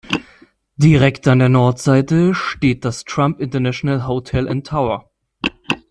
Direkt an der Nordseite steht das Trump International Hotel and Tower.